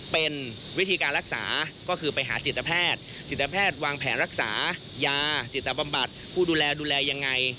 เป็นวิธีการรักษาก็คือไปหาจิตแพทย์จิตแพทย์วางแผนรักษายาจิตบำบัดผู้ดูแลดูแลยังไง